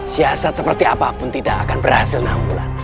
siasat seperti apapun tidak akan berhasil nawa ngulan